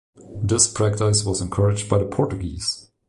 This practice was encouraged by the Portuguese.